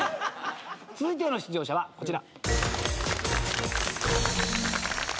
続いての出場者はこちら。